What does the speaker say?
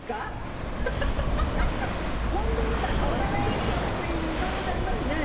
近藤だから変わらない可能性ありますね。